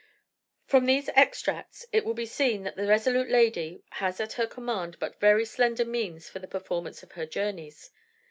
"From these extracts it will be seen that the resolute lady has at her command but very slender means for the performance of her journeys.